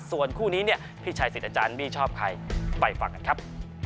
ส่วนคู่นี้เนี่ยพี่ชัยสิทธิ์อาจารย์บี้ชอบใครไปฟังกันครับ